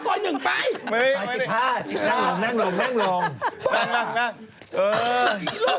เปล่าเปล่าเปล่าเปล่าเปล่า